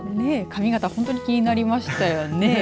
髪型ほんとに気になりましたよね。